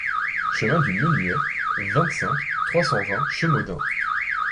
Chemin du Menuey, vingt-cinq, trois cent vingt Chemaudin